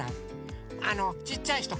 ちっちゃいひと？